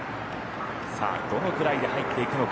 どのくらいで入っていくのか。